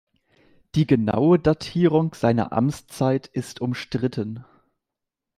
Die genaue Datierung seiner Amtszeit ist umstritten.